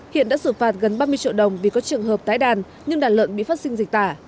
hiện đã xử phạt gần ba mươi triệu đồng vì có trường hợp tái đàn nhưng đàn lợn bị phát sinh dịch tả